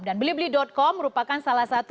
dan beli beli com merupakan salah satu